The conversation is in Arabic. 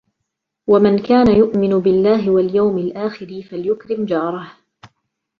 وَمَنْ كَانَ يُؤْمِنُ بِاللهِ وَالْيَوْمِ الآخِرِ فَلْيُكْرِمْ جَارَهُ،